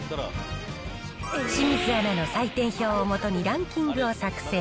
清水アナの採点表をもとにランキングを作成。